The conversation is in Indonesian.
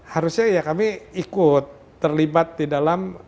harusnya ya kami ikut terlibat di dalam